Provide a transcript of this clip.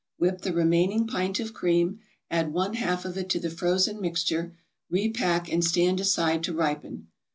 Whip the remaining pint of cream, add one half of it to the frozen mixture, repack and stand aside to ripen.